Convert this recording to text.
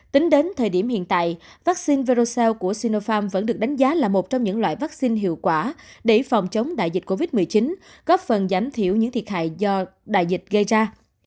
tính đến thời điểm hiện tại vaccine verosa của sinopharm vẫn được đánh giá là một trong những loại vaccine hiệu quả để phòng chống đại dịch covid một mươi chín góp phần giảm thiểu những thiệt hại do đại dịch gây ra